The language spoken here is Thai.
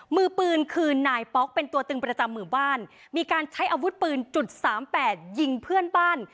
มือปืนคือนายป๊อกเป็นตัวตึงประจำหมู่บ้านมีการใช้อาวุธปืนจุดสามแปดยิงเพื่อนบ้าน